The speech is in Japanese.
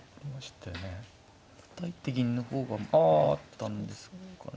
たたいて銀の方があったんですかね。